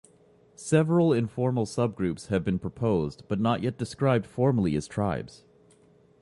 Several informal subgroups have been proposed, but not yet described formally as tribes.